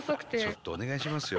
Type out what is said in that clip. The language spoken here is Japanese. ちょっとお願いしますよ